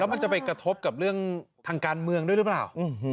มันจะไปกระทบกับเรื่องทางการเมืองด้วยหรือเปล่า